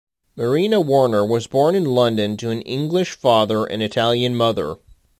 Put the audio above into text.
Marina Warner was born in London to an English father and Italian mother.